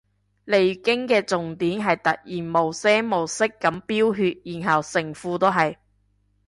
嚟月經嘅重點係突然無聲無息噉飆血然後成褲都係